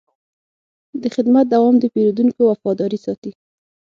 د خدمت دوام د پیرودونکو وفاداري ساتي.